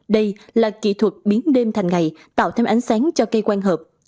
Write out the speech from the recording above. đây là kỹ thuật biến đêm thành ngày tạo thêm ánh sáng cho cây quan hợp